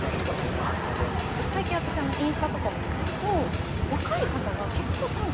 最近私インスタとかもやってると若い方が結構短歌詠まれてらっしゃって。